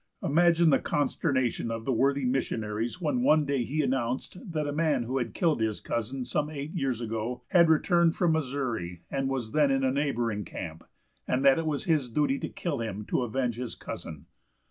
Imagine the consternation of the worthy missionaries when one day he announced that a man who had killed his cousin some eight years ago had returned from the Missouri, and was then in a neighboring camp, and that it was his duty to kill him to avenge his cousin.